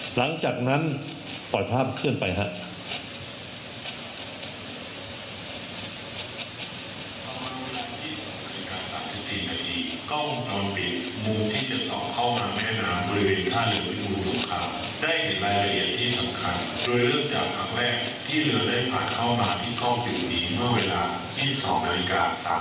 หลังจากนั้นปล่อยภาพเคลื่อนไปครับ